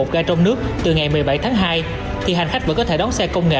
ga trong nước từ ngày một mươi bảy tháng hai thì hành khách vẫn có thể đón xe công nghệ